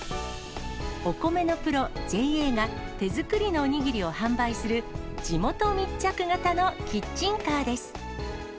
お米のプロ、ＪＡが手作りのおにぎりを販売する地元密着型のキッチンカーです。